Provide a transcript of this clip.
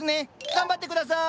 頑張ってください。